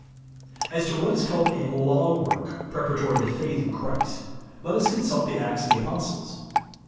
As to what is called a " law work," pre paratory to faith in Christ, let us consult the Acts of the Apostles.